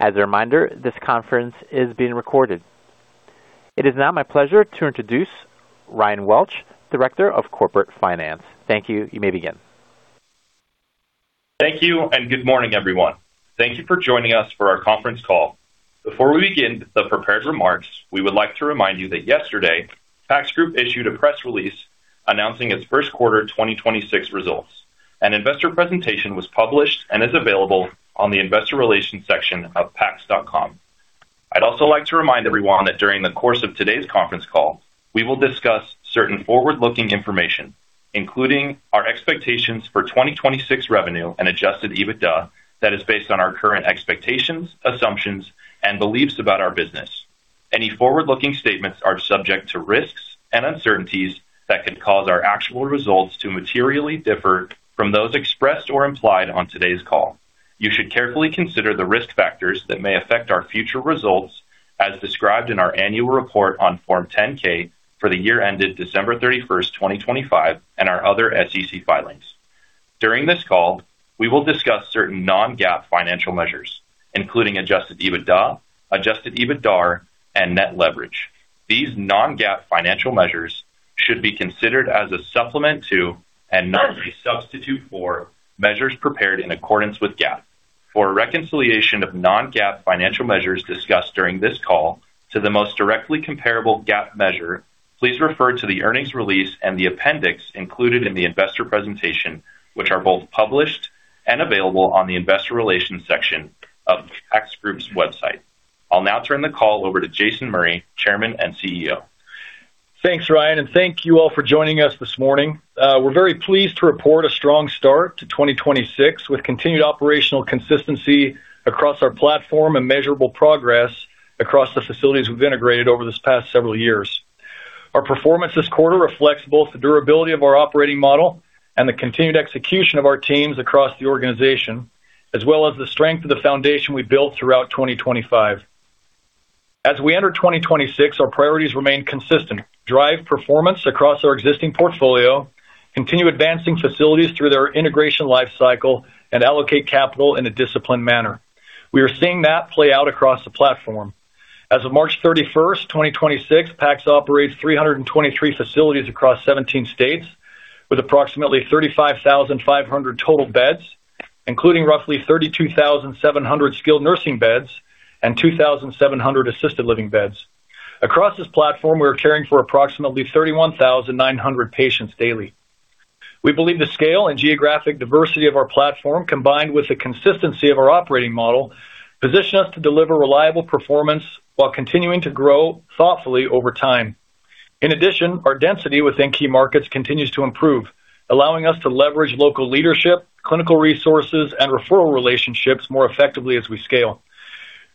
As a reminder, this conference is being recorded. It is now my pleasure to introduce Ryan Welch, Director of Corporate Finance. Thank you. You may begin. Thank you, good morning, everyone. Thank you for joining us for our conference call. Before we begin the prepared remarks, we would like to remind you that yesterday, PACS Group issued a press release announcing its first quarter 2026 results. An investor presentation was published and is available on the investor relations section of pacs.com. I'd also like to remind everyone that during the course of today's conference call, we will discuss certain forward-looking information, including our expectations for 2026 revenue and Adjusted EBITDA that is based on our current expectations, assumptions, and beliefs about our business. Any forward-looking statements are subject to risks and uncertainties that could cause our actual results to materially differ from those expressed or implied on today's call. You should carefully consider the risk factors that may affect our future results as described in our annual report on Form 10-K for the year ended December 31st, 2025, and our other SEC filings. During this call, we will discuss certain non-GAAP financial measures, including Adjusted EBITDA, Adjusted EBITDAR, and net leverage. These non-GAAP financial measures should be considered as a supplement to and not a substitute for measures prepared in accordance with GAAP. For a reconciliation of non-GAAP financial measures discussed during this call to the most directly comparable GAAP measure, please refer to the earnings release and the appendix included in the investor presentation, which are both published and available on the investor relations section of PACS Group's website. I'll now turn the call over to Jason Murray, Chairman and CEO. Thanks, Ryan, and thank you all for joining us this morning. We're very pleased to report a strong start to 2026 with continued operational consistency across our platform and measurable progress across the facilities we've integrated over this past several years. Our performance this quarter reflects both the durability of our operating model and the continued execution of our teams across the organization, as well as the strength of the foundation we built throughout 2025. As we enter 2026, our priorities remain consistent. Drive performance across our existing portfolio, continue advancing facilities through their integration lifecycle, and allocate capital in a disciplined manner. We are seeing that play out across the platform. As of March 31st, 2026, PACS operates 323 facilities across 17 states with approximately 35,500 total beds, including roughly 32,700 skilled nursing beds and 2,700 assisted living beds. Across this platform, we're caring for approximately 31,900 patients daily. We believe the scale and geographic diversity of our platform, combined with the consistency of our operating model, position us to deliver reliable performance while continuing to grow thoughtfully over time. In addition, our density within key markets continues to improve, allowing us to leverage local leadership, clinical resources, and referral relationships more effectively as we scale.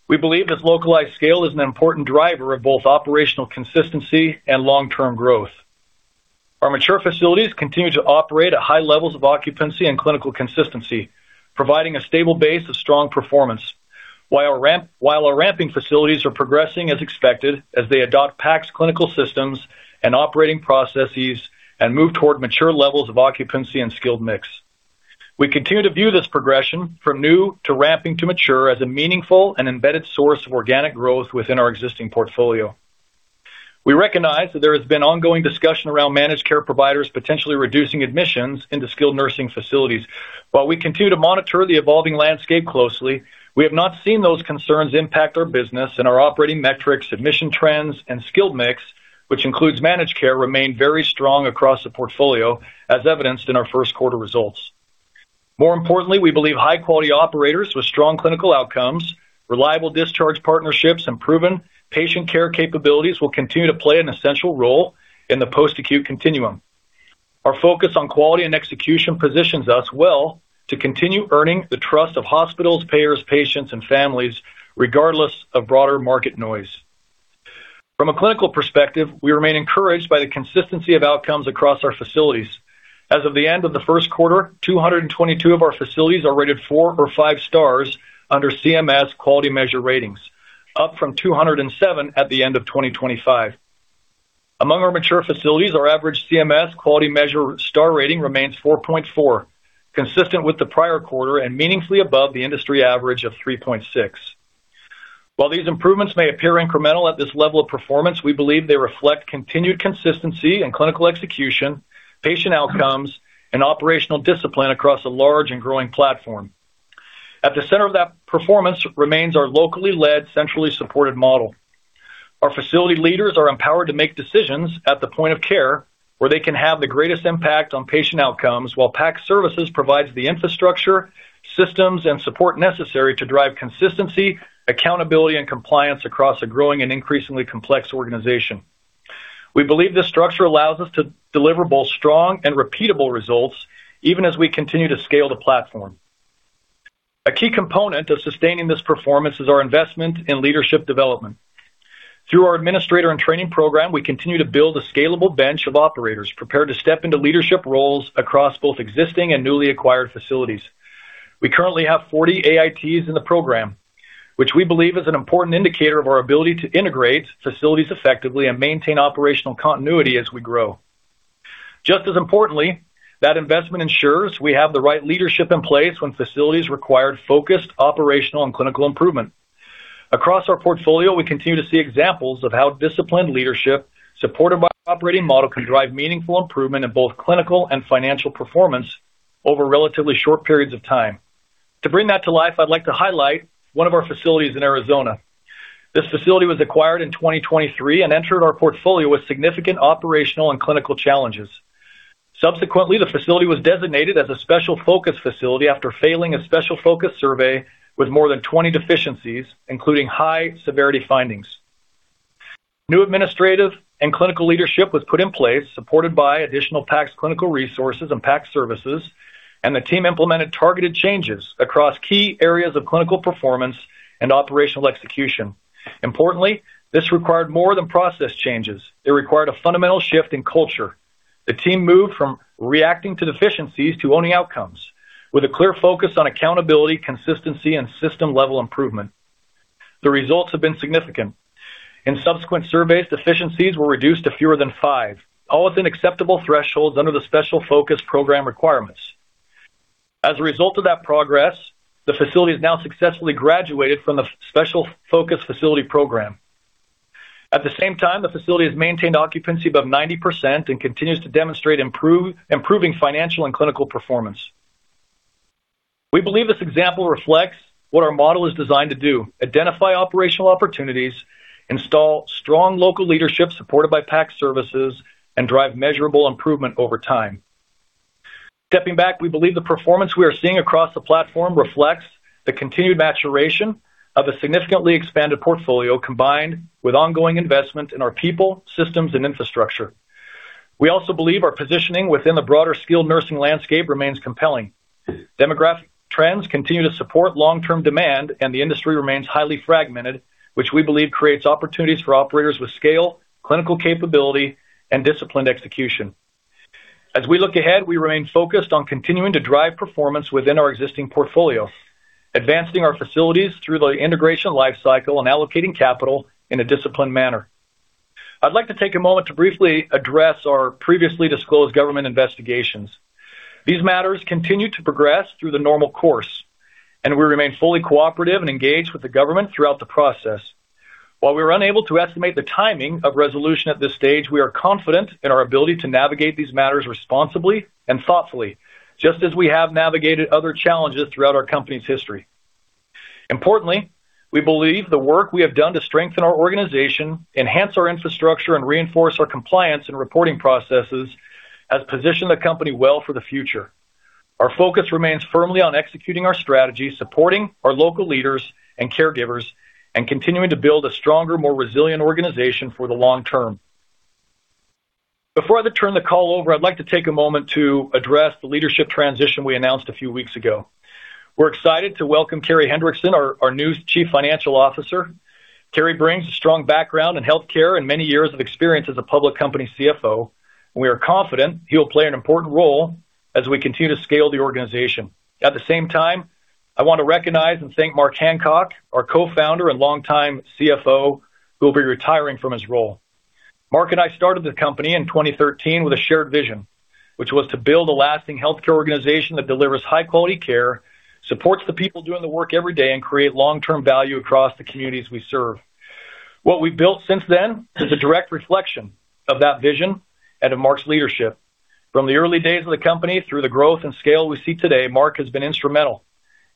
We believe this localized scale is an important driver of both operational consistency and long-term growth. Our mature facilities continue to operate at high levels of occupancy and clinical consistency, providing a stable base of strong performance. While our ramping facilities are progressing as expected as they adopt PACS clinical systems and operating processes and move toward mature levels of occupancy and skilled mix. We continue to view this progression from new to ramping to mature as a meaningful and embedded source of organic growth within our existing portfolio. We recognize that there has been ongoing discussion around managed care providers potentially reducing admissions into skilled nursing facilities. While we continue to monitor the evolving landscape closely, we have not seen those concerns impact our business and our operating metrics, admission trends, and skilled mix, which includes managed care, remain very strong across the portfolio as evidenced in our first quarter results. More importantly, we believe high quality operators with strong clinical outcomes, reliable discharge partnerships, and proven patient care capabilities will continue to play an essential role in the post-acute continuum. Our focus on quality and execution positions us well to continue earning the trust of hospitals, payers, patients, and families, regardless of broader market noise. From a clinical perspective, we remain encouraged by the consistency of outcomes across our facilities. As of the end of the first quarter, 222 of our facilities are rated four or five stars under CMS quality measure ratings, up from 207 at the end of 2025. Among our mature facilities, our average CMS quality measure star rating remains 4.4, consistent with the prior quarter and meaningfully above the industry average of 3.6. While these improvements may appear incremental at this level of performance, we believe they reflect continued consistency in clinical execution, patient outcomes, and operational discipline across a large and growing platform. At the center of that performance remains our locally led, centrally supported model. Our facility leaders are empowered to make decisions at the point of care where they can have the greatest impact on patient outcomes, while PACS Services provides the infrastructure, systems, and support necessary to drive consistency, accountability, and compliance across a growing and increasingly complex organization. We believe this structure allows us to deliver both strong and repeatable results even as we continue to scale the platform. A key component of sustaining this performance is our investment in leadership development. Through our Administrator-in-Training program, we continue to build a scalable bench of operators prepared to step into leadership roles across both existing and newly acquired facilities. We currently have 40 AITs in the program, which we believe is an important indicator of our ability to integrate facilities effectively and maintain operational continuity as we grow. As importantly, that investment ensures we have the right leadership in place when facilities require focused operational and clinical improvement. Across our portfolio, we continue to see examples of how disciplined leadership, supported by operating model, can drive meaningful improvement in both clinical and financial performance over relatively short periods of time. To bring that to life, I'd like to highlight one of our facilities in Arizona. This facility was acquired in 2023 and entered our portfolio with significant operational and clinical challenges. Subsequently, the facility was designated as a special focus facility after failing a special focus survey with more than 20 deficiencies, including high-severity findings. New administrative and clinical leadership was put in place, supported by additional PACS clinical resources and PACS Services, and the team implemented targeted changes across key areas of clinical performance and operational execution. Importantly, this required more than process changes. It required a fundamental shift in culture. The team moved from reacting to deficiencies to owning outcomes, with a clear focus on accountability, consistency, and system-level improvement. The results have been significant. In subsequent surveys, deficiencies were reduced to fewer than five, all within acceptable thresholds under the special focus program requirements. As a result of that progress, the facility has now successfully graduated from the special focus facility program. At the same time, the facility has maintained occupancy above 90% and continues to demonstrate improving financial and clinical performance. We believe this example reflects what our model is designed to do: identify operational opportunities, install strong local leadership supported by PACS Services, and drive measurable improvement over time. Stepping back, we believe the performance we are seeing across the platform reflects the continued maturation of a significantly expanded portfolio combined with ongoing investment in our people, systems, and infrastructure. We also believe our positioning within the broader skilled nursing landscape remains compelling. Demographic trends continue to support long-term demand, and the industry remains highly fragmented, which we believe creates opportunities for operators with scale, clinical capability, and disciplined execution. As we look ahead, we remain focused on continuing to drive performance within our existing portfolio, advancing our facilities through the integration life cycle, and allocating capital in a disciplined manner. I'd like to take a moment to briefly address our previously disclosed government investigations. These matters continue to progress through the normal course, and we remain fully cooperative and engaged with the government throughout the process. While we are unable to estimate the timing of resolution at this stage, we are confident in our ability to navigate these matters responsibly and thoughtfully, just as we have navigated other challenges throughout our company's history. Importantly, we believe the work we have done to strengthen our organization, enhance our infrastructure, and reinforce our compliance and reporting processes has positioned the company well for the future. Our focus remains firmly on executing our strategy, supporting our local leaders and caregivers, and continuing to build a stronger, more resilient organization for the long term. Before I turn the call over, I'd like to take a moment to address the leadership transition we announced a few weeks ago. We're excited to welcome Carey Hendrickson, our new Chief Financial Officer. Carey brings a strong background in healthcare and many years of experience as a public company CFO, and we are confident he will play an important role as we continue to scale the organization. At the same time, I want to recognize and thank Mark Hancock, our Co-Founder and longtime CFO, who will be retiring from his role. Mark and I started the company in 2013 with a shared vision, which was to build a lasting healthcare organization that delivers high-quality care, supports the people doing the work every day, and create long-term value across the communities we serve. What we've built since then is a direct reflection of that vision and of Mark's leadership. From the early days of the company through the growth and scale we see today, Mark has been instrumental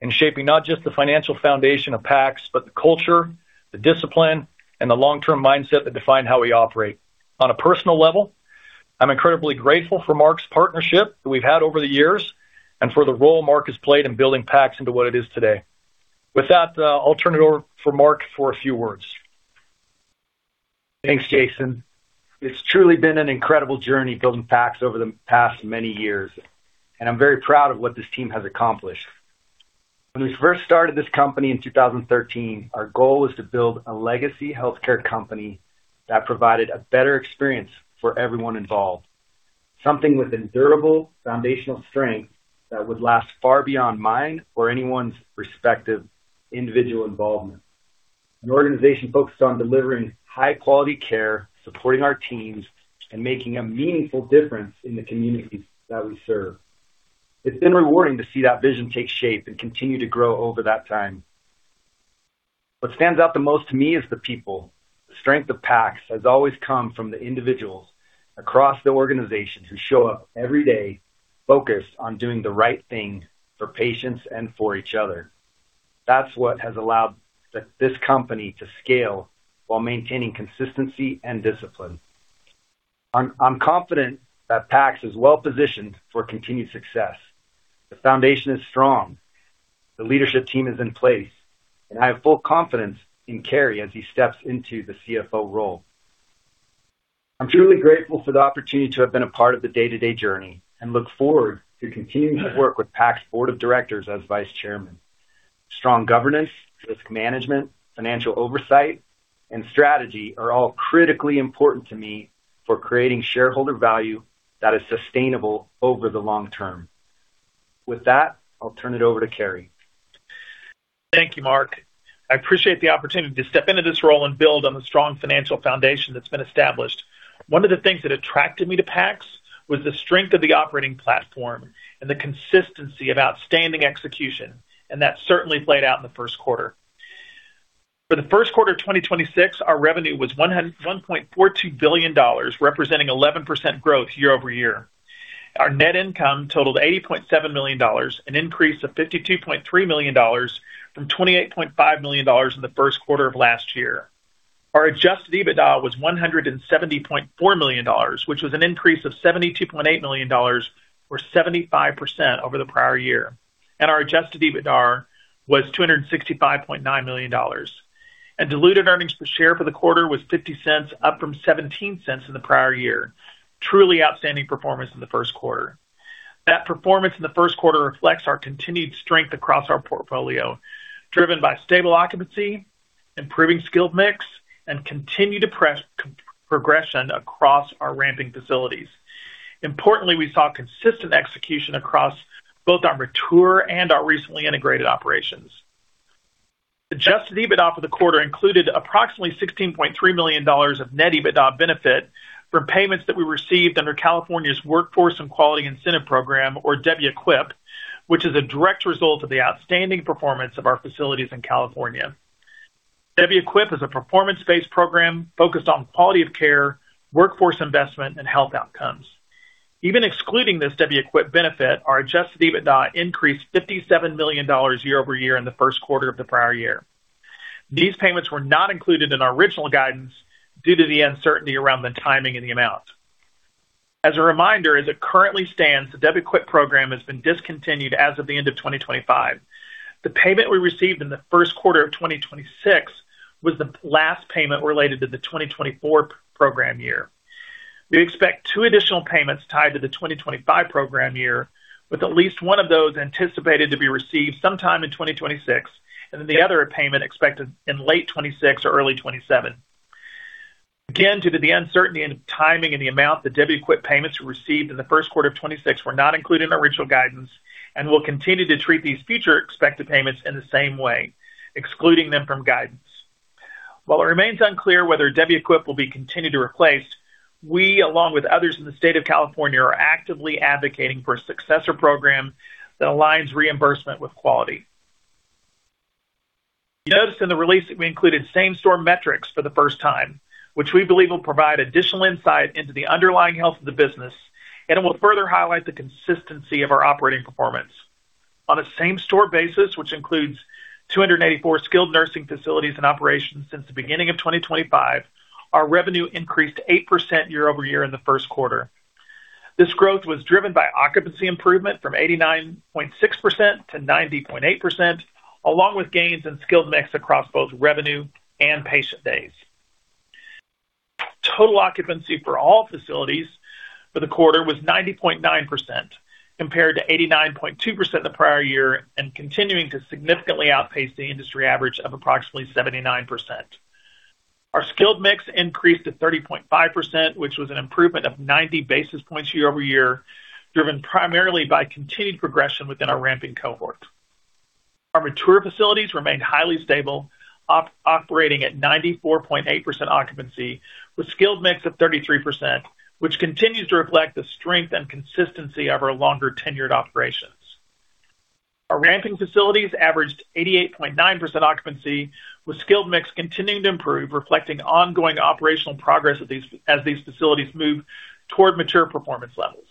in shaping not just the financial foundation of PACS, but the culture, the discipline, and the long-term mindset that define how we operate. On a personal level, I'm incredibly grateful for Mark's partnership that we've had over the years and for the role Mark has played in building PACS into what it is today. With that, I'll turn it over to Mark for a few words. Thanks, Jason. It's truly been an incredible journey building PACS over the past many years, and I'm very proud of what this team has accomplished. When we first started this company in 2013, our goal was to build a legacy healthcare company that provided a better experience for everyone involved. Something with endurable foundational strength that would last far beyond mine or anyone's respective individual involvement. An organization focused on delivering high-quality care, supporting our teams, and making a meaningful difference in the communities that we serve. It's been rewarding to see that vision take shape and continue to grow over that time. What stands out the most to me is the people. The strength of PACS has always come from the individuals across the organization who show up every day focused on doing the right thing for patients and for each other. That's what has allowed this company to scale while maintaining consistency and discipline. I'm confident that PACS is well positioned for continued success. The foundation is strong, the leadership team is in place, and I have full confidence in Carey as he steps into the CFO role. I'm truly grateful for the opportunity to have been a part of the day-to-day journey and look forward to continuing to work with PACS' board of directors as vice chairman. Strong governance, risk management, financial oversight, and strategy are all critically important to me for creating shareholder value that is sustainable over the long term. With that, I'll turn it over to Carey. Thank you, Mark. I appreciate the opportunity to step into this role and build on the strong financial foundation that's been established. One of the things that attracted me to PACS was the strength of the operating platform and the consistency of outstanding execution, that certainly played out in the first quarter. For the first quarter of 2026, our revenue was $1.42 billion, representing 11% growth year-over-year. Our net income totaled $80.7 million, an increase of $52.3 million from $28.5 million in the first quarter of last year. Our Adjusted EBITDA was $170.4 million, which was an increase of $72.8 million or 75% over the prior year. Our Adjusted EBITDAR was $265.9 million. Diluted earnings per share for the quarter was $0.50, up from $0.17 in the prior year. Truly outstanding performance in the first quarter. That performance in the first quarter reflects our continued strength across our portfolio, driven by stable occupancy, improving skilled mix, and continued progression across our ramping facilities. Importantly, we saw consistent execution across both our mature and our recently integrated operations. Adjusted EBITDA for the quarter included approximately $16.3 million of net EBITDA benefit from payments that we received under California's Workforce and Quality Incentive Program, or WQIP, which is a direct result of the outstanding performance of our facilities in California. WQIP is a performance-based program focused on quality of care, workforce investment, and health outcomes. Even excluding this WQIP benefit, our Adjusted EBITDA increased $57 million year-over-year in the first quarter of the prior year. These payments were not included in our original guidance due to the uncertainty around the timing and the amount. As a reminder, as it currently stands, the WQIP program has been discontinued as of the end of 2025. The payment we received in the first quarter of 2026 was the last payment related to the 2024 program year. We expect two additional payments tied to the 2025 program year, with at least one of those anticipated to be received sometime in 2026, and then the other payment expected in late 2026 or early 2027. Due to the uncertainty in timing and the amount, the WQIP payments received in the first quarter of 2026 were not included in our original guidance, and we'll continue to treat these future expected payments in the same way, excluding them from guidance. While it remains unclear whether WQIP will be continued or replaced, we along with others in the state of California, are actively advocating for a successor program that aligns reimbursement with quality. You noticed in the release that we included same-store metrics for the first time, which we believe will provide additional insight into the underlying health of the business, and it will further highlight the consistency of our operating performance. On a same-store basis, which includes 284 skilled nursing facilities and operations since the beginning of 2025, our revenue increased 8% year-over-year in the first quarter. This growth was driven by occupancy improvement from 89.6% to 90.8%, along with gains in skilled mix across both revenue and patient days. Total occupancy for all facilities for the quarter was 90.9%, compared to 89.2% the prior year, and continuing to significantly outpace the industry average of approximately 79%. Our skilled mix increased to 30.5%, which was an improvement of 90 basis points year-over-year, driven primarily by continued progression within our ramping cohort. Our mature facilities remained highly stable, operating at 94.8% occupancy with skilled mix of 33%, which continues to reflect the strength and consistency of our longer-tenured operations. Our ramping facilities averaged 88.9% occupancy, with skilled mix continuing to improve, reflecting ongoing operational progress as these facilities move toward mature performance levels.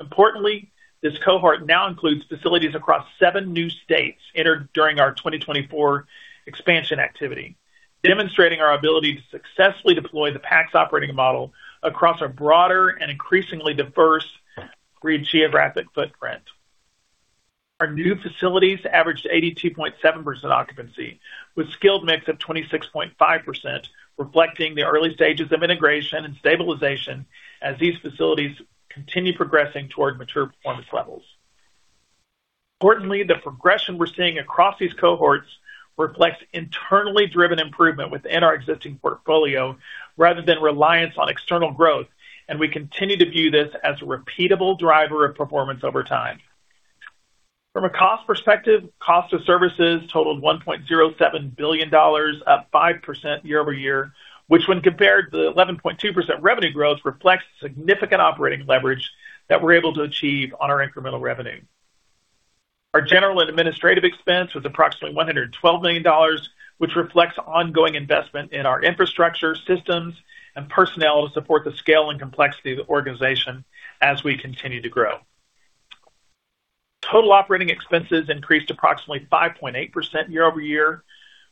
Importantly, this cohort now includes facilities across seven new states entered during our 2024 expansion activity, demonstrating our ability to successfully deploy the PACS operating model across a broader and increasingly diverse geographic footprint. Our new facilities averaged 82.7% occupancy with skilled mix of 26.5%, reflecting the early stages of integration and stabilization as these facilities continue progressing toward mature performance levels. Importantly, the progression we're seeing across these cohorts reflects internally driven improvement within our existing portfolio rather than reliance on external growth, and we continue to view this as a repeatable driver of performance over time. From a cost perspective, cost of services totaled $1.07 billion, up 5% year-over-year, which when compared to the 11.2% revenue growth, reflects significant operating leverage that we're able to achieve on our incremental revenue. Our general and administrative expense was approximately $112 million, which reflects ongoing investment in our infrastructure, systems, and personnel to support the scale and complexity of the organization as we continue to grow. Total operating expenses increased approximately 5.8% year-over-year,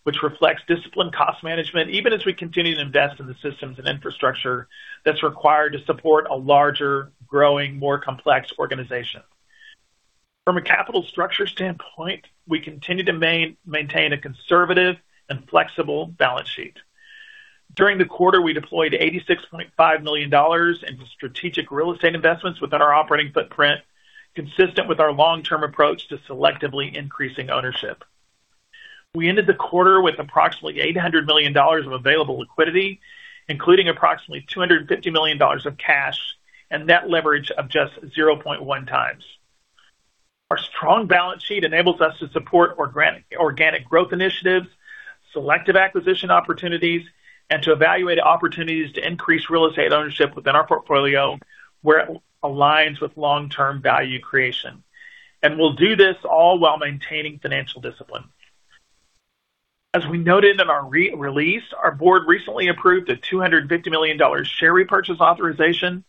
which reflects disciplined cost management even as we continue to invest in the systems and infrastructure that's required to support a larger, growing, more complex organization. From a capital structure standpoint, we continue to maintain a conservative and flexible balance sheet. During the quarter, we deployed $86.5 million into strategic real estate investments within our operating footprint, consistent with our long-term approach to selectively increasing ownership. We ended the quarter with approximately $800 million of available liquidity, including approximately $250 million of cash. Net leverage of just 0.1 times. Our strong balance sheet enables us to support organic growth initiatives, selective acquisition opportunities, and to evaluate opportunities to increase real estate ownership within our portfolio where it aligns with long-term value creation. We'll do this all while maintaining financial discipline. As we noted in our re-release, our board recently approved a $250 million share repurchase authorization,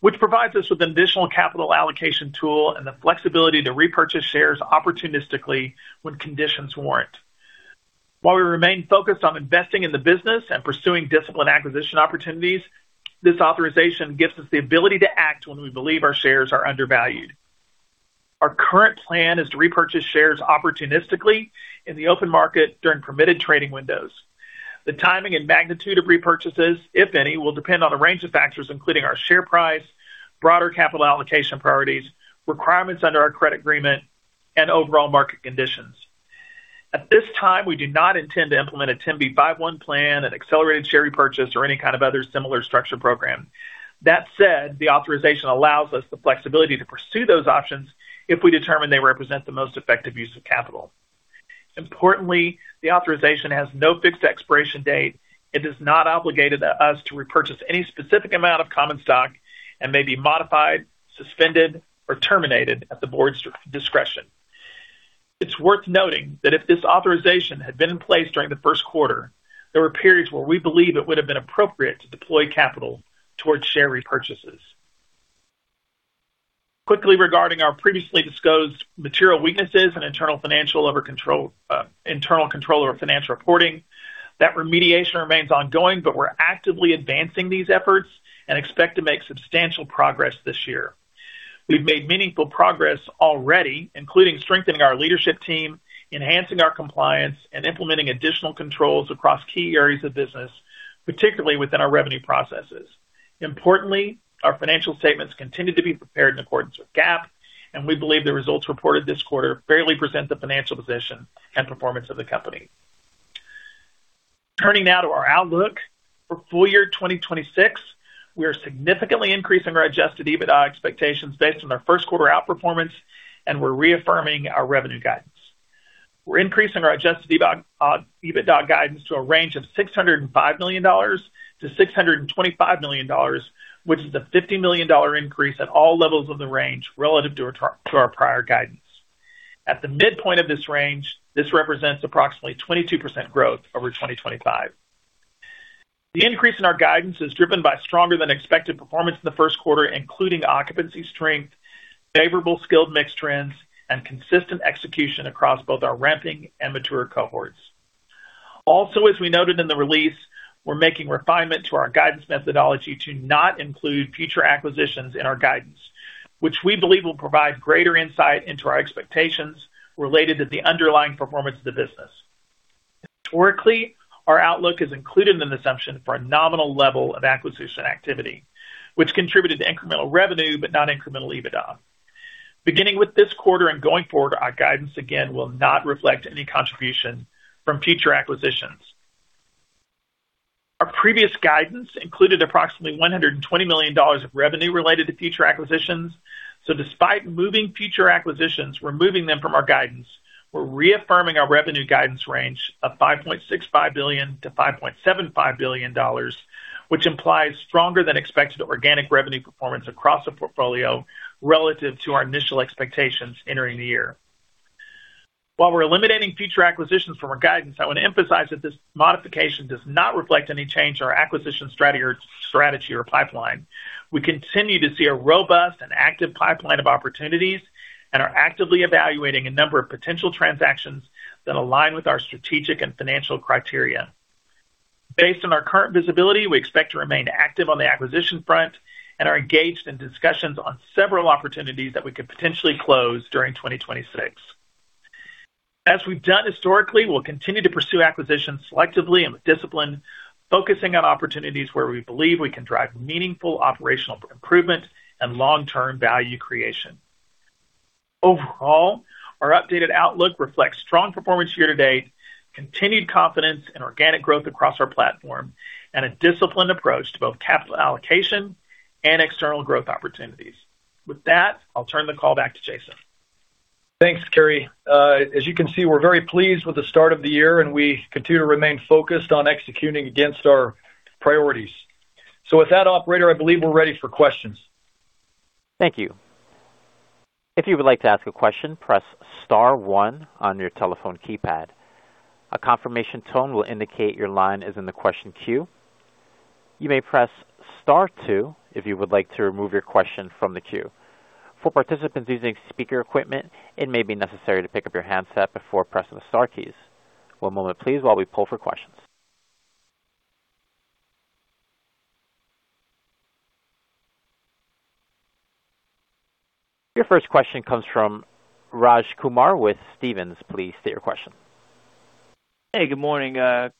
which provides us with additional capital allocation tool and the flexibility to repurchase shares opportunistically when conditions warrant. While we remain focused on investing in the business and pursuing disciplined acquisition opportunities, this authorization gives us the ability to act when we believe our shares are undervalued. Our current plan is to repurchase shares opportunistically in the open market during permitted trading windows. The timing and magnitude of repurchases, if any, will depend on a range of factors, including our share price, broader capital allocation priorities, requirements under our credit agreement, and overall market conditions. At this time, we do not intend to implement a 10b5-1 plan, an accelerated share repurchase or any kind of other similar structure program. That said, the authorization allows us the flexibility to pursue those options if we determine they represent the most effective use of capital. Importantly, the authorization has no fixed expiration date. It does not obligated us to repurchase any specific amount of common stock and may be modified, suspended, or terminated at the board's discretion. It's worth noting that if this authorization had been in place during the first quarter, there were periods where we believe it would have been appropriate to deploy capital towards share repurchases. Quickly regarding our previously disclosed material weaknesses and internal control over financial reporting. That remediation remains ongoing, but we're actively advancing these efforts and expect to make substantial progress this year. We've made meaningful progress already, including strengthening our leadership team, enhancing our compliance, and implementing additional controls across key areas of business, particularly within our revenue processes. Importantly, our financial statements continue to be prepared in accordance with GAAP, and we believe the results reported this quarter fairly present the financial position and performance of the company. Turning now to our outlook. For full year 2026, we are significantly increasing our Adjusted EBITDA expectations based on our first quarter outperformance, and we're reaffirming our revenue guidance. We're increasing our Adjusted EBITDA guidance to a range of $605 million-$625 million, which is a $50 million increase at all levels of the range relative to our prior guidance. At the midpoint of this range, this represents approximately 22% growth over 2025. The increase in our guidance is driven by stronger than expected performance in the first quarter, including occupancy strength, favorable skilled mix trends, and consistent execution across both our ramping and mature cohorts. As we noted in the release, we're making refinement to our guidance methodology to not include future acquisitions in our guidance, which we believe will provide greater insight into our expectations related to the underlying performance of the business. Historically, our outlook has included an assumption for a nominal level of acquisition activity, which contributed to incremental revenue but not incremental EBITDA. With this quarter and going forward, our guidance again will not reflect any contribution from future acquisitions. Our previous guidance included approximately $120 million of revenue related to future acquisitions. Despite moving future acquisitions, we're moving them from our guidance. We're reaffirming our revenue guidance range of $5.65 billion-$5.75 billion, which implies stronger than expected organic revenue performance across the portfolio relative to our initial expectations entering the year. We're eliminating future acquisitions from our guidance, I want to emphasize that this modification does not reflect any change to our acquisition strategy or pipeline. We continue to see a robust and active pipeline of opportunities and are actively evaluating a number of potential transactions that align with our strategic and financial criteria. Based on our current visibility, we expect to remain active on the acquisition front and are engaged in discussions on several opportunities that we could potentially close during 2026. As we've done historically, we'll continue to pursue acquisitions selectively and with discipline, focusing on opportunities where we believe we can drive meaningful operational improvement and long-term value creation. Overall, our updated outlook reflects strong performance year to date, continued confidence in organic growth across our platform, and a disciplined approach to both capital allocation and external growth opportunities. With that, I'll turn the call back to Jason. Thanks, Carey. As you can see, we're very pleased with the start of the year, and we continue to remain focused on executing against our priorities. With that operator, I believe we're ready for questions. Thank you. If you would like to ask a question, press star one on your telephone keypad. A confirmation tone will indicate your line is in the question queue. You may press star two if you would like to remove your question from the queue. For participants using speaker equipment, it may be necessary to pick up your handset before pressing the star keys. One moment please while we pull for questions. Your first question comes from Raj Kumar with Stephens. Please state your question. Hey, good morning.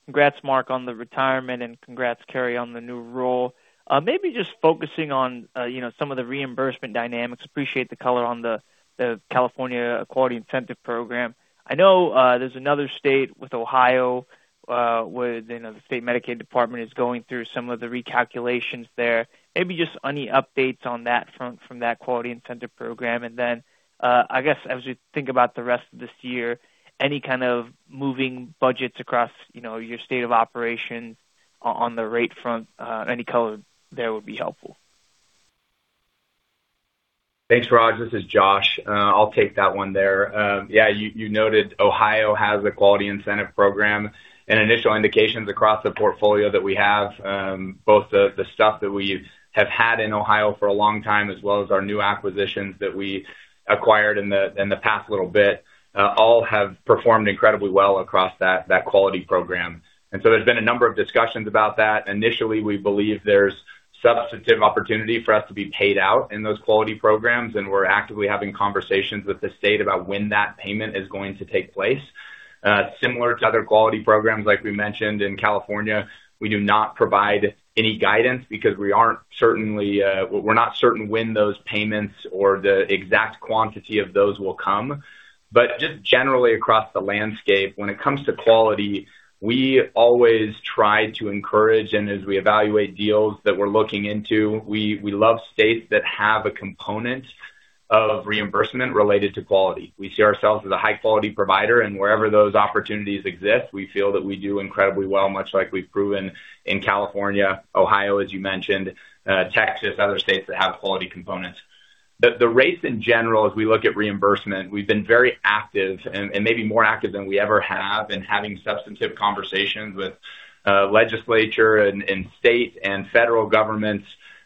Congrats, Mark, on the retirement and congrats, Carey, on the new role. Maybe just focusing on, you know, some of the reimbursement dynamics. Appreciate the color on the Workforce and Quality Incentive Program. I know there's another state with Ohio, where, you know, the state Medicaid department is going through some of the recalculations there. Maybe just any updates on that front from that Workforce and Quality Incentive Program. Then, I guess as we think about the rest of this year, any kind of moving budgets across, you know, your state of operation on the rate front, any color there would be helpful. Thanks, Raj. This is Josh. I'll take that one there. Yeah, you noted Ohio has a Quality Incentive Program and initial indications across the portfolio that we have, both the stuff that we have had in Ohio for a long time, as well as our new acquisitions that we acquired in the past little bit, all have performed incredibly well across that quality program. There's been a number of discussions about that. Initially, we believe there's substantive opportunity for us to be paid out in those quality programs. We're actively having conversations with the state about when that payment is going to take place. Similar to other quality programs, like we mentioned in California, we do not provide any guidance because we aren't certainly, we're not certain when those payments or the exact quantity of those will come. Just generally across the landscape, when it comes to quality, we always try to encourage and as we evaluate deals that we're looking into, we love states that have a component of reimbursement related to quality. We see ourselves as a high-quality provider, and wherever those opportunities exist, we feel that we do incredibly well, much like we've proven in California, Ohio, as you mentioned, Texas, other states that have quality components. The rates in general, as we look at reimbursement, we've been very active and maybe more active than we ever have in having substantive conversations with legislature and state and federal governments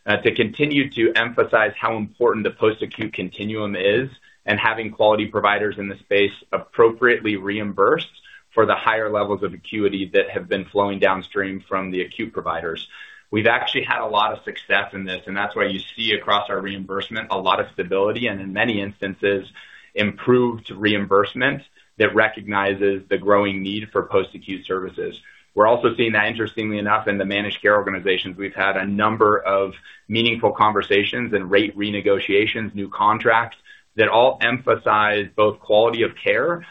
to continue to emphasize how important the post-acute continuum is and having quality providers in the space appropriately reimbursed for the higher levels of acuity that have been flowing downstream from the acute providers. We've actually had a lot of success in this, and that's why you see across our reimbursement a lot of stability and in many instances, improved reimbursement that recognizes the growing need for post-acute services. We're also seeing that, interestingly enough, in the managed care organizations. We've had a number of meaningful conversations and rate renegotiations, new contracts that all emphasize both quality of care,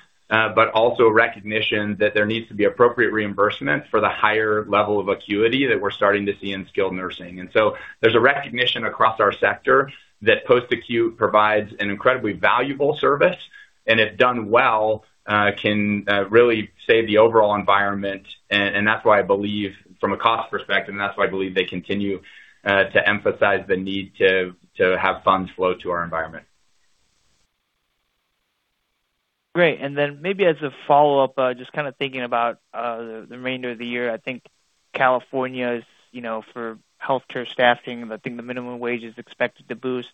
but also recognition that there needs to be appropriate reimbursement for the higher level of acuity that we're starting to see in skilled nursing. There's a recognition across our sector that post-acute provides an incredibly valuable service and if done well, can really save the overall environment. That's why I believe from a cost perspective, and that's why I believe they continue to emphasize the need to have funds flow to our environment. Great. Then maybe as a follow-up, just kind of thinking about the remainder of the year, I think California's, you know, for healthcare staffing, I think the minimum wage is expected to boost.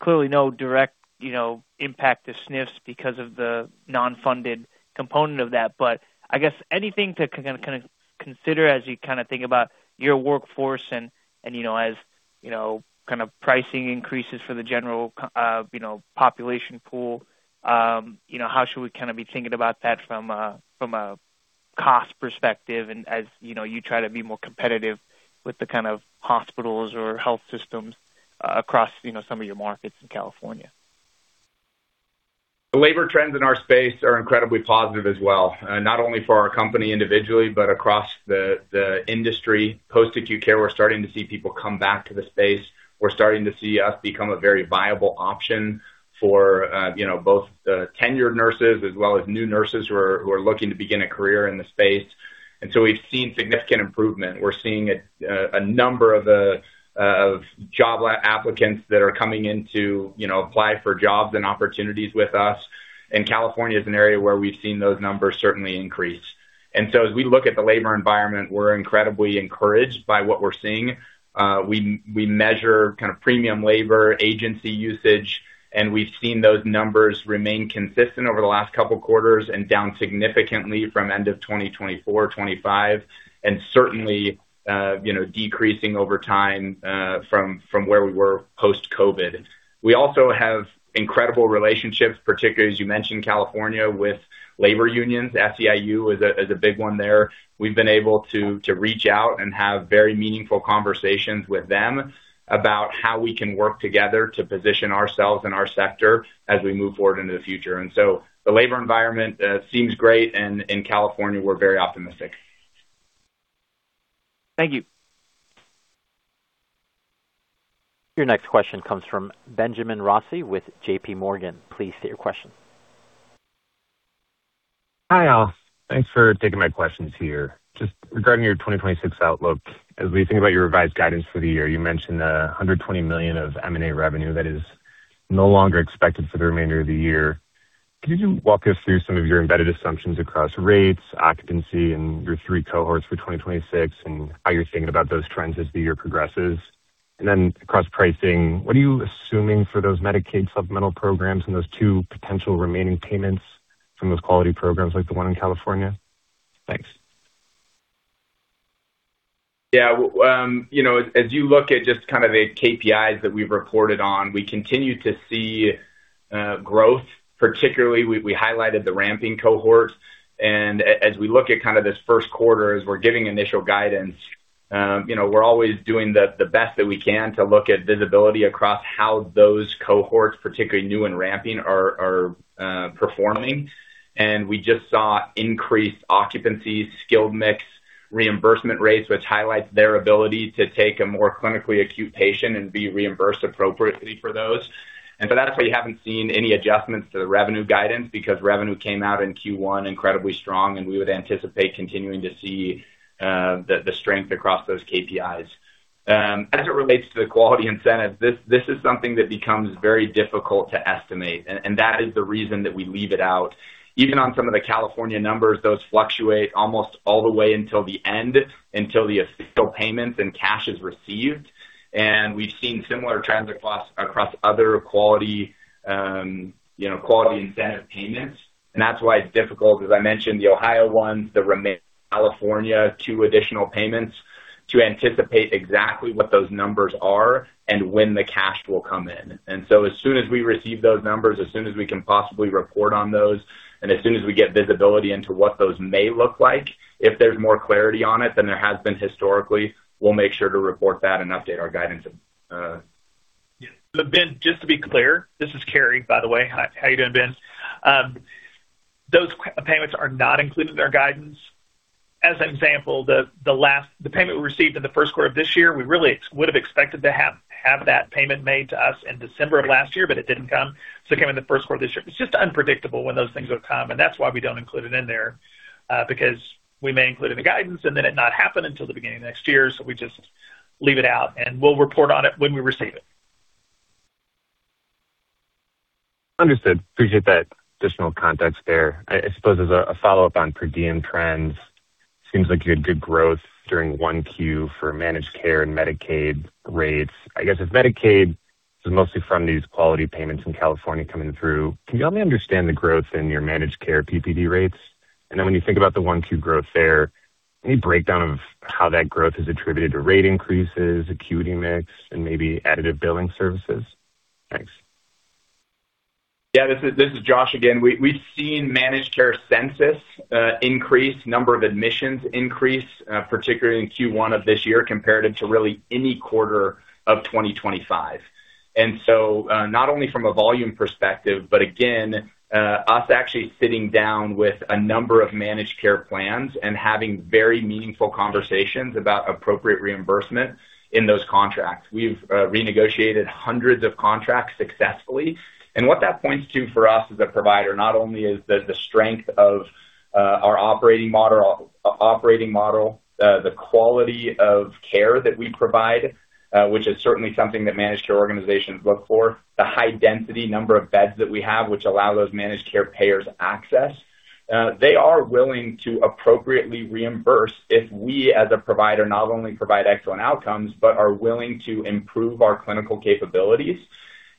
Clearly no direct, you know, impact to SNFs because of the non-funded component of that. I guess anything to kind of consider as you kind of think about your workforce and, you know, as, you know, kind of pricing increases for the general, you know, population pool, you know, how should we kind of be thinking about that from a, from a cost perspective and as, you know, you try to be more competitive with the kind of hospitals or health systems across, you know, some of your markets in California? The labor trends in our space are incredibly positive as well, not only for our company individually, but across the industry. Post-acute care, we're starting to see people come back to the space. We're starting to see us become a very viable option for, you know, both tenured nurses as well as new nurses who are looking to begin a career in the space. We've seen significant improvement. We're seeing a number of job applicants that are coming in to, you know, apply for jobs and opportunities with us. California is an area where we've seen those numbers certainly increase. As we look at the labor environment, we're incredibly encouraged by what we're seeing. We measure kind of premium labor agency usage, and we've seen those numbers remain consistent over the last couple quarters and down significantly from end of 2024, 2025, and certainly, you know, decreasing over time, from where we were post-COVID. We also have incredible relationships, particularly, as you mentioned, California, with labor unions. SEIU is a big one there. We've been able to reach out and have very meaningful conversations with them about how we can work together to position ourselves and our sector as we move forward into the future. The labor environment seems great. In California, we're very optimistic. Thank you. Your next question comes from Benjamin Rossi with JPMorgan. Please state your question. Hi, all. Thanks for taking my questions here. Just regarding your 2026 outlook, as we think about your revised guidance for the year, you mentioned $120 million of M&A revenue that is no longer expected for the remainder of the year. Could you walk us through some of your embedded assumptions across rates, occupancy and your thre cohorts for 2026 and how you're thinking about those trends as the year progresses? Then across pricing, what are you assuming for those Medicaid supplemental programs and those two potential remaining payments from those quality programs like the one in California? Thanks. Yeah. You know, as you look at just kind of the KPIs that we've reported on, we continue to see growth. Particularly, we highlighted the ramping cohort. As we look at kinda this first quarter as we're giving initial guidance, you know, we're always doing the best that we can to look at visibility across how those cohorts, particularly new and ramping, are performing. We just saw increased occupancy, skilled mix, reimbursement rates, which highlights their ability to take a more clinically acute patient and be reimbursed appropriately for those. That's why you haven't seen any adjustments to the revenue guidance because revenue came out in Q1 incredibly strong, we would anticipate continuing to see the strength across those KPIs. As it relates to the quality incentives, this is something that becomes very difficult to estimate, and that is the reason that we leave it out. Even on some of the California numbers, those fluctuate almost all the way until the end, until the official payments and cash is received. We've seen similar trends across other quality, you know, quality incentive payments. That's why it's difficult, as I mentioned, the Ohio ones, the remaining California, two additional payments, to anticipate exactly what those numbers are and when the cash will come in. As soon as we receive those numbers, as soon as we can possibly report on those, and as soon as we get visibility into what those may look like, if there's more clarity on it than there has been historically, we'll make sure to report that and update our guidance. Ben, just to be clear, this is Carey, by the way. Hi. How you doing, Ben? Those payments are not included in our guidance. As an example, the payment we received in the first quarter of this year, we really would have expected to have that payment made to us in December of last year, but it didn't come, so it came in the first quarter of this year. It's just unpredictable when those things would come, and that's why we don't include it in there, because we may include it in the guidance and then it not happen until the beginning of next year. We just leave it out, and we'll report on it when we receive it. Understood. Appreciate that additional context there. I suppose as a follow-up on per diem trends, seems like you had good growth during 1Q for managed care and Medicaid rates. I guess if Medicaid is mostly from these quality payments in California coming through, can you help me understand the growth in your managed care PPD rates? When you think about the 1Q growth there, any breakdown of how that growth is attributed to rate increases, acuity mix, and maybe additive billing services? Thanks. Yeah. This is Josh again. We've seen managed care census increase, number of admissions increase, particularly in Q1 of this year comparative to really any quarter of 2025. Not only from a volume perspective, but again, us actually sitting down with a number of managed care plans and having very meaningful conversations about appropriate reimbursement in those contracts. We've renegotiated hundreds of contracts successfully. What that points to for us as a provider, not only is the strength of our operating model, the quality of care that we provide, which is certainly something that managed care organizations look for, the high density number of beds that we have, which allow those managed care payers access. They are willing to appropriately reimburse if we, as a provider, not only provide excellent outcomes, but are willing to improve our clinical capabilities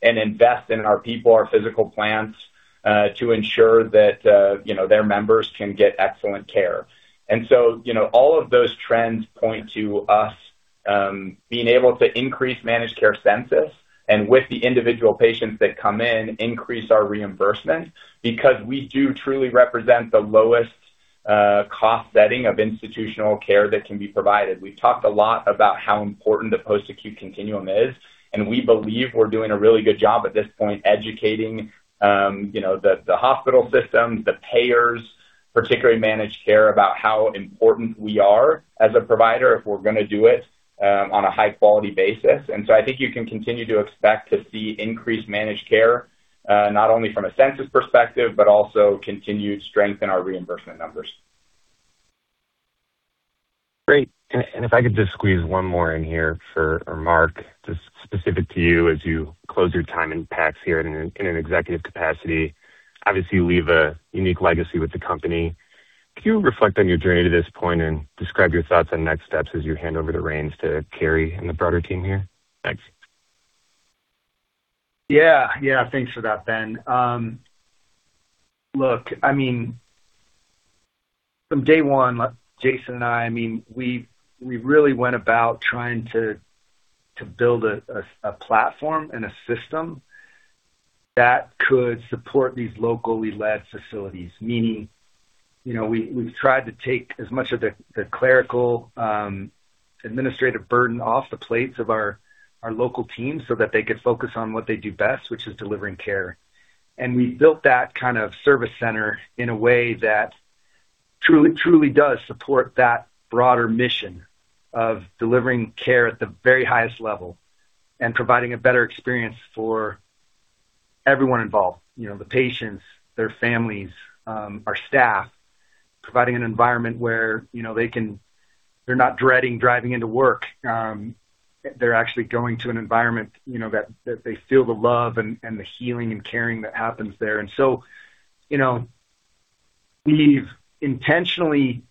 and invest in our people, our physical plants, to ensure that, you know, their members can get excellent care. You know, all of those trends point to us being able to increase managed care census, and with the individual patients that come in, increase our reimbursement because we do truly represent the lowest cost setting of institutional care that can be provided. We've talked a lot about how important the post-acute continuum is, and we believe we're doing a really good job at this point educating, you know, the hospital systems, the payers, particularly managed care, about how important we are as a provider if we're gonna do it on a high-quality basis. I think you can continue to expect to see increased managed care, not only from a census perspective, but also continued strength in our reimbursement numbers. Great. If I could just squeeze one more in here for Mark, just specific to you as you close your time in PACS here in an executive capacity. Obviously, you leave a unique legacy with the company. Can you reflect on your journey to this point and describe your thoughts on next steps as you hand over the reins to Carey and the broader team here? Thanks. Yeah. Yeah. Thanks for that, Ben. Look, I mean, from day one, Jason and I mean, we really went about trying to build a platform and a system that could support these locally led facilities. Meaning, you know, we've tried to take as much of the clerical, administrative burden off the plates of our local teams so that they could focus on what they do best, which is delivering care. And we built that kind of service center in a way that truly does support that broader mission of delivering care at the very highest level and providing a better experience for everyone involved. You know, the patients, their families, our staff. Providing an environment where, you know, they're not dreading driving into work. They're actually going to an environment, you know, that they feel the love and the healing and caring that happens there. You know, we've intentionally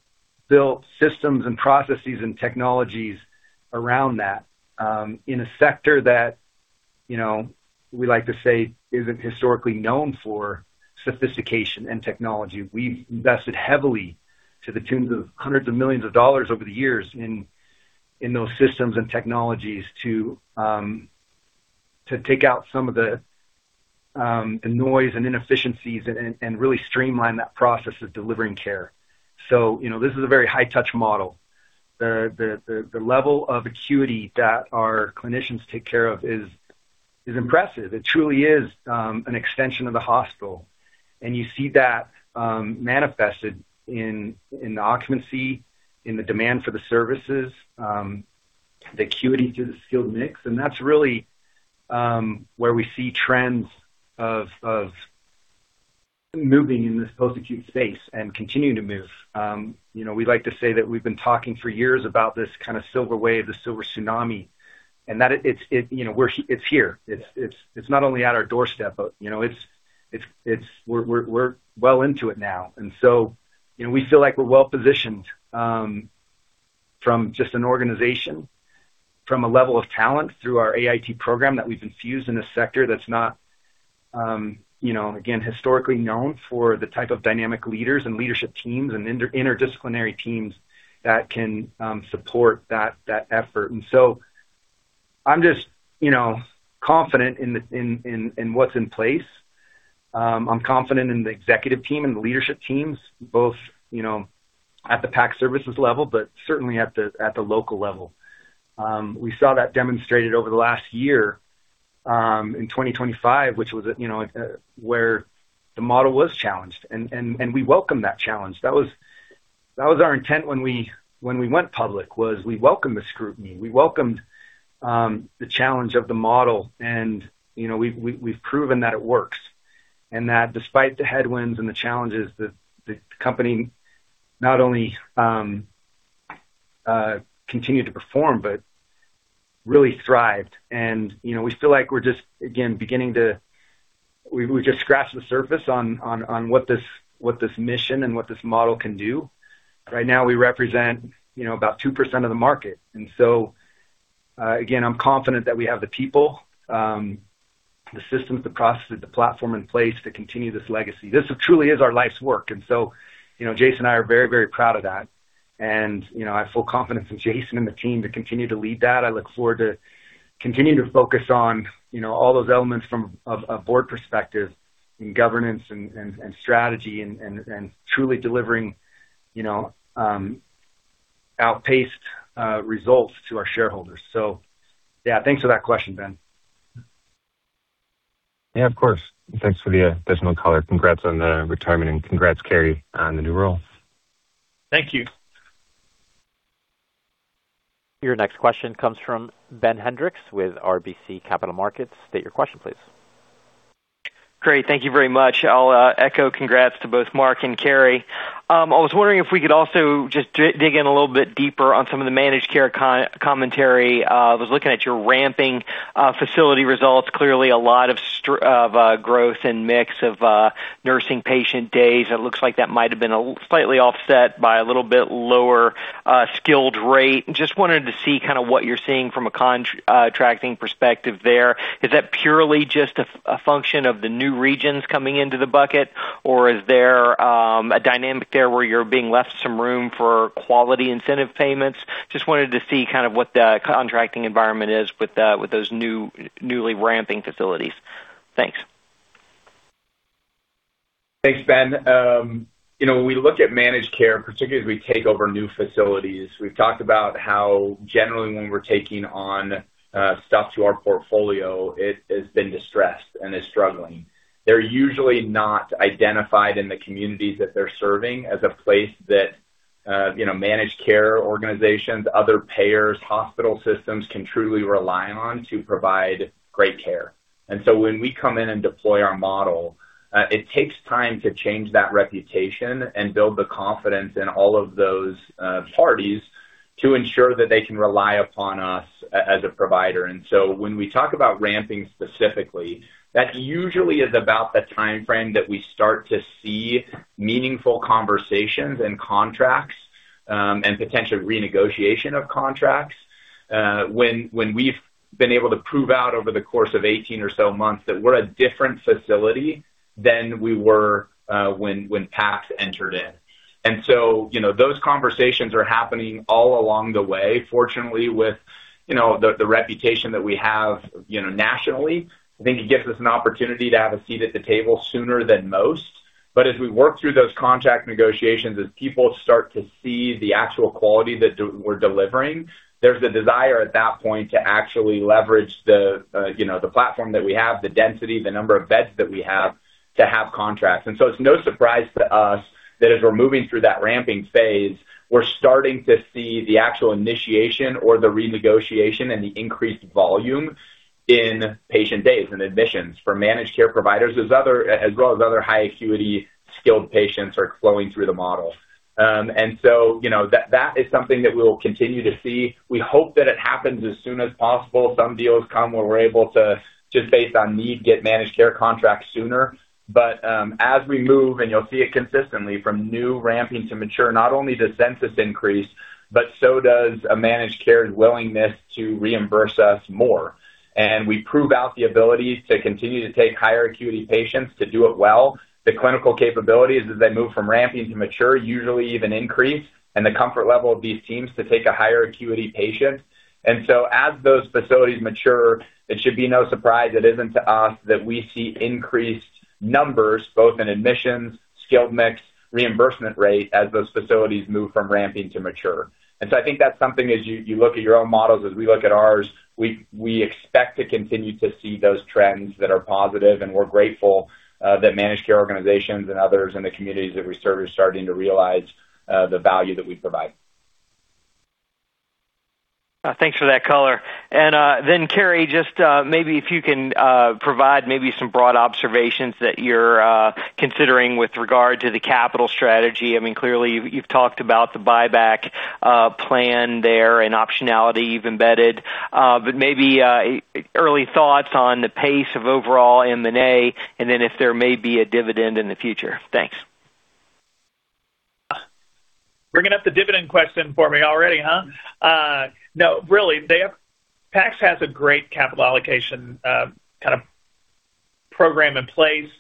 built systems and processes and technologies around that, in a sector that you know, we like to say isn't historically known for sophistication and technology. We've invested heavily to the tunes of hundreds of millions of dollars over the years in those systems and technologies to take out some of the noise and inefficiencies and really streamline that process of delivering care. You know, this is a very high touch model. The level of acuity that our clinicians take care of is impressive. It truly is an extension of the hospital. You see that manifested in the occupancy, in the demand for the services, the acuity through the skilled mix. That's really where we see trends of moving in this post-acute space and continuing to move. You know, we like to say that we've been talking for years about this kind of silver wave, the silver tsunami, and that it's, you know, it's here. It's not only at our doorstep, but, you know, it's we're well into it now. You know, we feel like we're well-positioned from just an organization, from a level of talent through our AIT program that we've infused in a sector that's not, you know, again, historically known for the type of dynamic leaders and leadership teams and interdisciplinary teams that can support that effort. I'm just, you know, confident in what's in place. I'm confident in the executive team and the leadership teams, both, you know, at the PACS Services level, but certainly at the local level. We saw that demonstrated over the last year, in 2025, which was at where the model was challenged and we welcomed that challenge. That was our intent when we went public, was we welcomed the scrutiny. We welcomed the challenge of the model. You know, we've proven that it works and that despite the headwinds and the challenges, the company not only continued to perform but really thrived. We feel like we're just beginning. We've just scratched the surface on what this mission and what this model can do. Right now we represent about 2% of the market. I'm confident that we have the people, the systems, the processes, the platform in place to continue this legacy. This truly is our life's work. Jason and I are very proud of that. I have full confidence in Jason and the team to continue to lead that. I look forward to continuing to focus on all those elements from a board perspective and governance and strategy and truly delivering outpaced results to our shareholders. Yeah, thanks for that question, Ben. Yeah, of course. Thanks for the additional color. Congrats on the retirement and congrats, Carey, on the new role. Thank you. Your next question comes from Ben Hendrix with RBC Capital Markets. State your question, please. Great. Thank you very much. I'll echo congrats to both Mark and Carey. I was wondering if we could also just dig in a little bit deeper on some of the managed care commentary. Was looking at your ramping facility results. Clearly a lot of growth and mix of nursing patient days. It looks like that might've been a slightly offset by a little bit lower skilled rate. Just wanted to see kinda what you're seeing from a contracting perspective there. Is that purely just a function of the new regions coming into the bucket, or is there a dynamic there where you're being left some room for quality incentive payments? Just wanted to see kind of what the contracting environment is with those new, newly ramping facilities. Thanks. Thanks, Ben. You know, when we look at managed care, particularly as we take over new facilities, we've talked about how generally when we're taking on stuff to our portfolio, it has been distressed and is struggling. They're usually not identified in the communities that they're serving as a place that, you know, managed care organizations, other payers, hospital systems can truly rely on to provide great care. When we come in and deploy our model, it takes time to change that reputation and build the confidence in all of those parties to ensure that they can rely upon us as a provider. When we talk about ramping specifically, that usually is about the timeframe that we start to see meaningful conversations and contracts, and potential renegotiation of contracts, when we've been able to prove out over the course of 18 or so months that we're a different facility than we were, when PACS entered in. You know, those conversations are happening all along the way. Fortunately, with, you know, the reputation that we have, you know, nationally, I think it gives us an opportunity to have a seat at the table sooner than most. As we work through those contract negotiations, as people start to see the actual quality that we're delivering, there's a desire at that point to actually leverage the, you know, the platform that we have, the density, the number of beds that we have to have contracts. It's no surprise to us that as we're moving through that ramping phase, we're starting to see the actual initiation or the renegotiation and the increased volume. In patient days and admissions for managed care providers as well as other high-acuity skilled patients are flowing through the model. You know, that is something that we'll continue to see. We hope that it happens as soon as possible. Some deals come where we're able to, just based on need, get managed care contracts sooner. As we move, and you'll see it consistently from new ramping to mature, not only does census increase, but so does a managed care's willingness to reimburse us more. We prove out the ability to continue to take higher-acuity patients to do it well. The clinical capabilities as they move from ramping to mature usually even increase and the comfort level of these teams to take a higher-acuity patient. As those facilities mature, it should be no surprise, it isn't to us, that we see increased numbers both in admissions, skilled mix, reimbursement rate as those facilities move from ramping to mature. I think that's something as you look at your own models, as we look at ours, we expect to continue to see those trends that are positive, and we're grateful that managed care organizations and others in the communities that we serve are starting to realize the value that we provide. Thanks for that color. Carey, just maybe if you can provide maybe some broad observations that you're considering with regard to the capital strategy. I mean, clearly you've talked about the buyback plan there and optionality you've embedded. Maybe early thoughts on the pace of overall M&A, and then if there may be a dividend in the future. Thanks. Bringing up the dividend question for me already, huh? No, really, PACS has a great capital allocation, kind of program in place.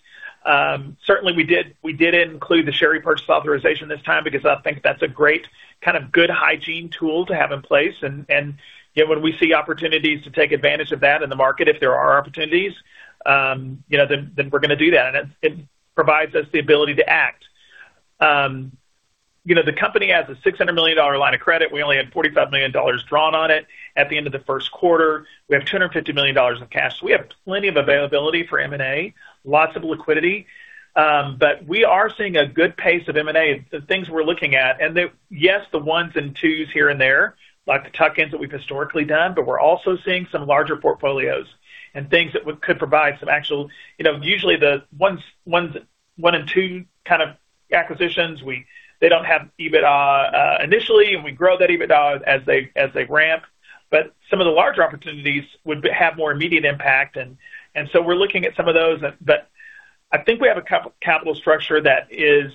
Certainly we did include the share repurchase authorization this time because I think that's a great kind of good hygiene tool to have in place. You know, when we see opportunities to take advantage of that in the market, if there are opportunities, you know, then we're gonna do that. It provides us the ability to act. You know, the company has a $600 million line of credit. We only had $45 million drawn on it at the end of the first quarter. We have $250 million in cash. We have plenty of availability for M&A, lots of liquidity. We are seeing a good pace of M&A, the things we're looking at. The ones and twos here and there, like the tuck-ins that we've historically done, but we're also seeing some larger portfolios and things that could provide some actual You know, usually the one and two kind of acquisitions, they don't have EBITDA initially, and we grow that EBITDA as they, as they ramp. Some of the larger opportunities have more immediate impact. We're looking at some of those. I think we have a capital structure that is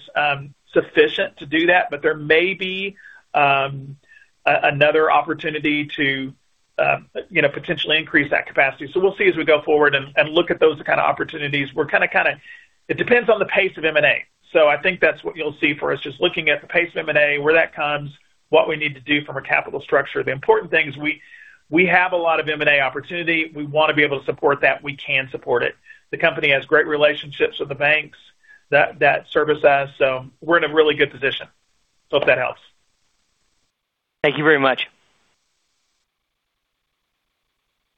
sufficient to do that, but there may be another opportunity to, you know, potentially increase that capacity. We'll see as we go forward and look at those kind of opportunities. We're kinda, it depends on the pace of M&A. I think that's what you'll see for us, just looking at the pace of M&A, where that comes, what we need to do from a capital structure. The important thing is we have a lot of M&A opportunity. We wanna be able to support that. We can support it. The company has great relationships with the banks that service us. We're in a really good position. Hope that helps. Thank you very much.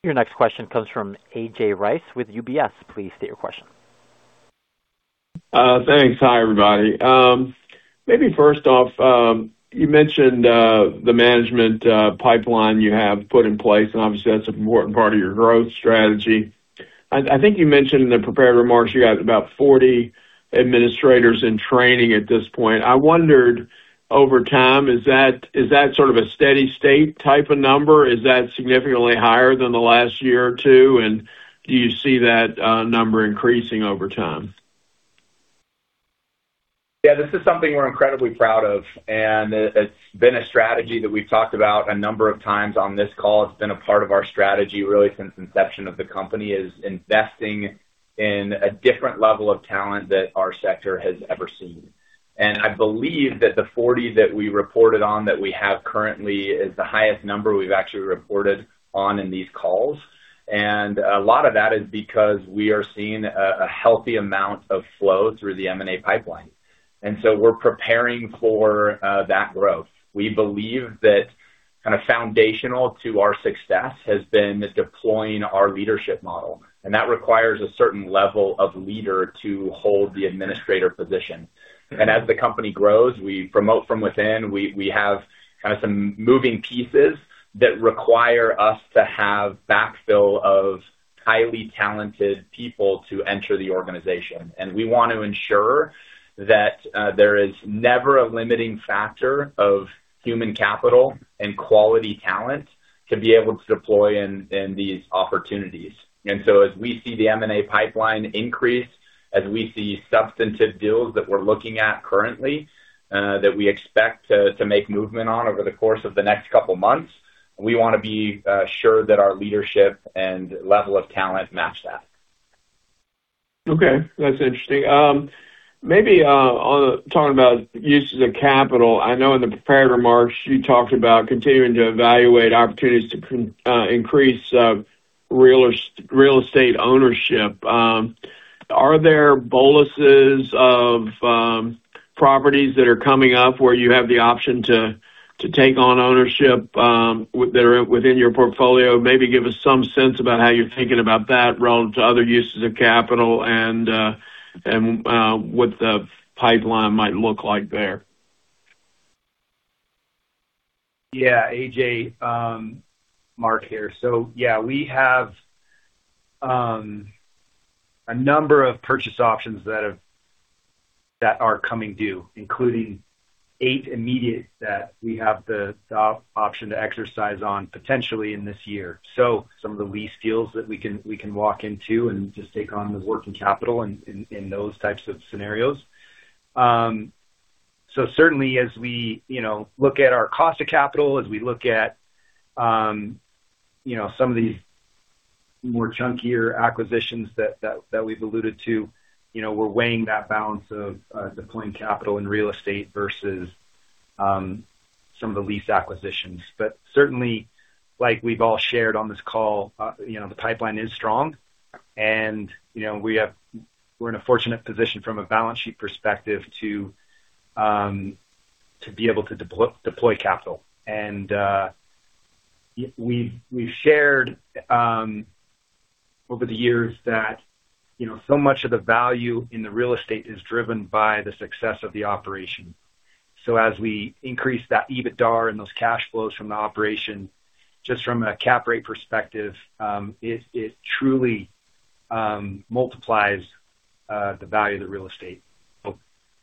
Your next question comes from A.J. Rice with UBS. Please state your question. Thanks. Hi, everybody. Maybe first off, you mentioned the management pipeline you have put in place, and obviously that's an important part of your growth strategy. I think you mentioned in the prepared remarks you got about 40 administrators in training at this point. I wondered over time, is that sort of a steady state type of number? Is that significantly higher than the last year or two? Do you see that number increasing over time? This is something we're incredibly proud of, it's been a strategy that we've talked about a number of times on this call. It's been a part of our strategy really since inception of the company, is investing in a different level of talent that our sector has ever seen. I believe that the 40 that we reported on that we have currently is the highest number we've actually reported on in these calls. A lot of that is because we are seeing a healthy amount of flow through the M&A pipeline. We're preparing for that growth. We believe that kind of foundational to our success has been deploying our leadership model, that requires a certain level of leader to hold the administrator position. As the company grows, we promote from within. We have kind of some moving pieces that require us to have backfill of highly talented people to enter the organization. We want to ensure that there is never a limiting factor of human capital and quality talent to be able to deploy in these opportunities. As we see the M&A pipeline increase, as we see substantive deals that we're looking at currently, that we expect to make movement on over the course of the next couple of months, we want to be sure that our leadership and level of talent match that. Okay. That's interesting. Maybe on talking about uses of capital, I know in the prepared remarks you talked about continuing to evaluate opportunities to increase real estate ownership. Are there boluses of properties that are coming up where you have the option to take on ownership that are within your portfolio? Maybe give us some sense about how you're thinking about that relative to other uses of capital and what the pipeline might look like there. AJ, Mark here. We have a number of purchase options that are coming due, including eight immediate that we have the option to exercise on potentially in this year. Some of the lease deals that we can walk into and just take on the working capital in those types of scenarios. Certainly as we, you know, look at our cost of capital, as we look at, you know, some of these more chunkier acquisitions that we've alluded to, you know, we're weighing that balance of deploying capital in real estate versus some of the lease acquisitions. Certainly, like we've all shared on this call, you know, the pipeline is strong. You know, we're in a fortunate position from a balance sheet perspective to be able to deploy capital. We've shared over the years that, you know, so much of the value in the real estate is driven by the success of the operation. As we increase that EBITDA and those cash flows from the operation, just from a cap rate perspective, it truly multiplies the value of the real estate.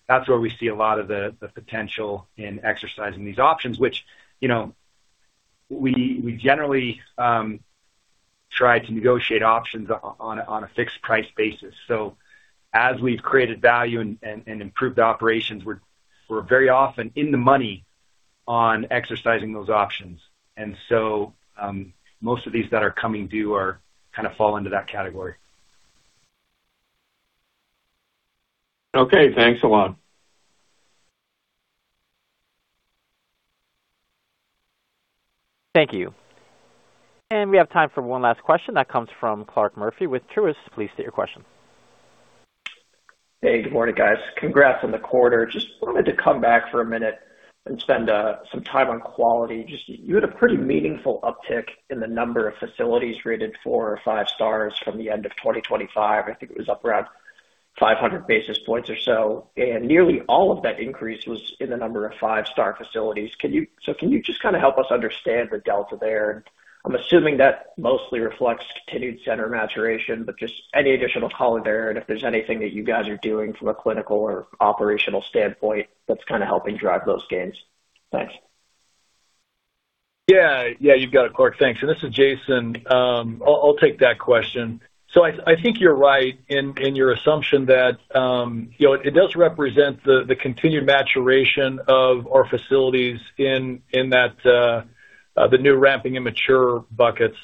That's where we see a lot of the potential in exercising these options, which, you know, we generally try to negotiate options on a fixed price basis. As we've created value and improved operations, we're very often in the money on exercising those options. Most of these that are coming due kind of fall into that category. Okay. Thanks a lot. Thank you. We have time for one last question that comes from Clarke Murphy with Truist. Please state your question. Hey, good morning, guys. Congrats on the quarter. Just wanted to come back for a minute and spend some time on quality. Just you had a pretty meaningful uptick in the number of facilities rated four or five stars from the end of 2025. I think it was up around 500 basis points or so, and nearly all of that increase was in the number of five-star facilities. Can you just kind of help us understand the delta there? I'm assuming that mostly reflects continued center maturation, any additional color there and if there's anything that you guys are doing from a clinical or operational standpoint that's kind of helping drive those gains. Thanks. Yeah. Yeah, you've got it, Clarke. Thanks. This is Jason. I'll take that question. I think you're right in your assumption that, you know, it does represent the continued maturation of our facilities in that the new ramping and mature buckets.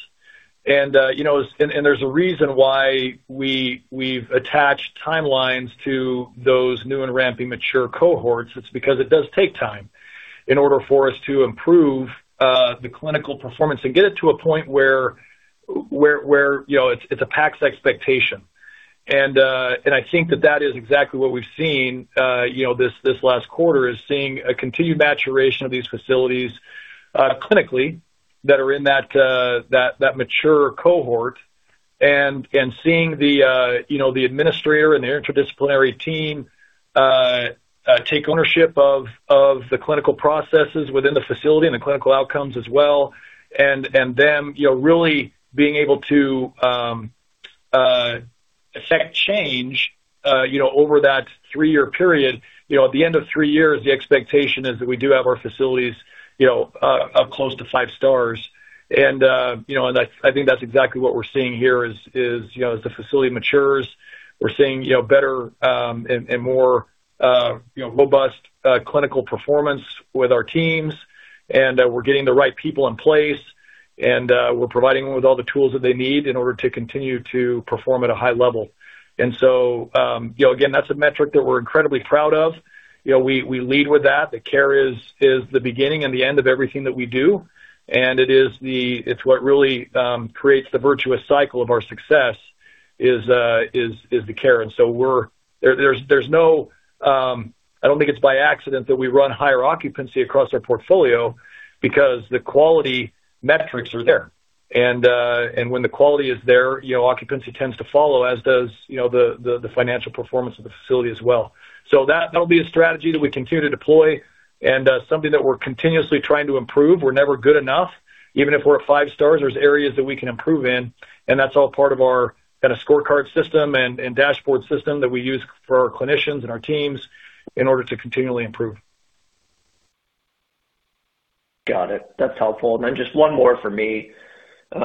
You know, and there's a reason why we've attached timelines to those new and ramping mature cohorts. It's because it does take time in order for us to improve the clinical performance and get it to a point where, you know, it's a PACS expectation. I think that that is exactly what we've seen, you know, this last quarter, is seeing a continued maturation of these facilities, clinically that are in that, that mature cohort and seeing the, you know, the administrator and the interdisciplinary team take ownership of the clinical processes within the facility and the clinical outcomes as well. Them, you know, really being able to affect change, you know, over that three-year period. You know, at the end of three years, the expectation is that we do have our facilities, you know, up close to five stars. You know, I think that's exactly what we're seeing here is, you know, as the facility matures, we're seeing, you know, better, and more, you know, robust, clinical performance with our teams. We're getting the right people in place, and we're providing them with all the tools that they need in order to continue to perform at a high level. You know, again, that's a metric that we're incredibly proud of. You know, we lead with that. The care is the beginning and the end of everything that we do. It's what really creates the virtuous cycle of our success is the care. There's no, I don't think it's by accident that we run higher occupancy across our portfolio because the quality metrics are there. When the quality is there, you know, occupancy tends to follow, as does, you know, the financial performance of the facility as well. That'll be a strategy that we continue to deploy and something that we're continuously trying to improve. We're never good enough. Even if we're at five stars, there's areas that we can improve in, and that's all part of our kind of scorecard system and dashboard system that we use for our clinicians and our teams in order to continually improve. Got it. That's helpful. Just one more for me. You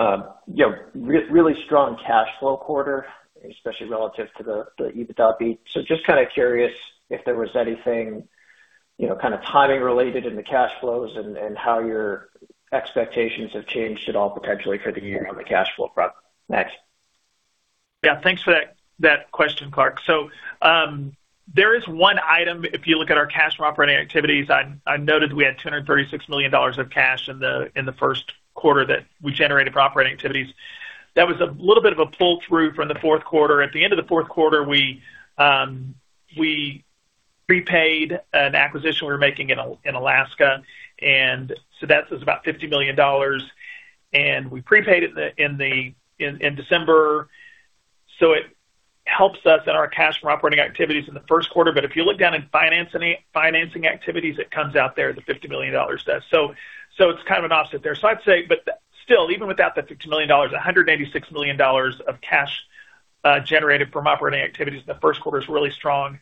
know, really strong cash flow quarter, especially relative to the EBITDA beat. Just kind of curious if there was anything, you know, kind of timing related in the cash flows and how your expectations have changed at all potentially for the year on the cash flow front. Thanks. Yeah. Thanks for that question, Clarke. There is one item, if you look at our cash from operating activities, I noted we had $236 million of cash in the first quarter that we generated from operating activities. That was a little bit of a pull-through from the fourth quarter. At the end of the fourth quarter, we prepaid an acquisition we were making in Alaska. That was about $50 million, and we prepaid it in December. It helps us in our cash from operating activities in the first quarter. If you look down in financing activities, it comes out there, the $50 million does. It's kind of an offset there. I'd say, but still, even without the $50 million, $186 million of cash generated from operating activities in the first quarter is really strong.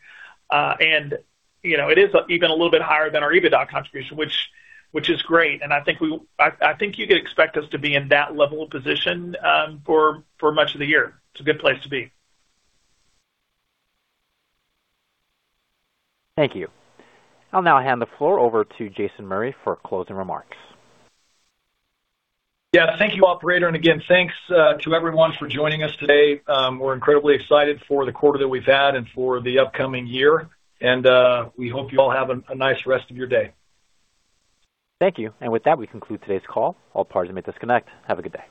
You know, it is even a little bit higher than our EBITDA contribution, which is great. I think you could expect us to be in that level of position for much of the year. It's a good place to be. Thank you. I'll now hand the floor over to Jason Murray for closing remarks. Yeah. Thank you, operator. Again, thanks to everyone for joining us today. We're incredibly excited for the quarter that we've had and for the upcoming year, and we hope you all have a nice rest of your day. Thank you. With that, we conclude today's call. All parties may disconnect. Have a good day.